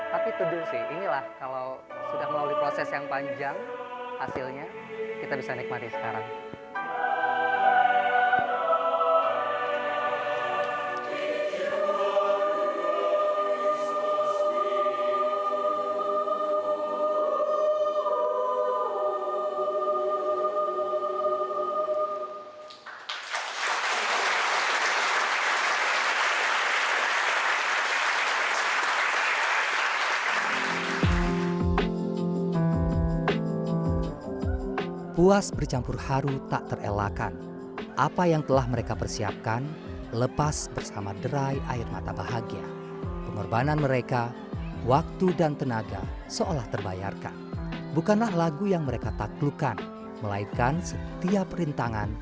tapi tuduh sih inilah kalau sudah melalui proses yang panjang hasilnya kita bisa nikmati sekarang